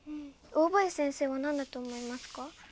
大林先生は何だと思いますか？